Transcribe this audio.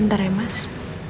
ntar ya mas